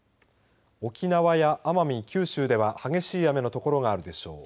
沖縄や奄美九州では激しい雨の所があるでしょう。